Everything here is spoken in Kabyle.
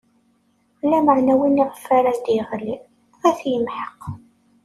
Lameɛna win iɣef ara d-iɣli, ad t-imḥeq.